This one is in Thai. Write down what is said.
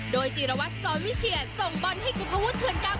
โดยจิรวัตรซอมวิเชียร์ส่งบอนให้กุภวุธเถือนกาวพักออกหนึ่งจังหวะ